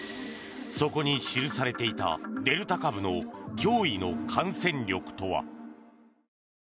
そこに記されていたデルタ株の脅威の感染力とは。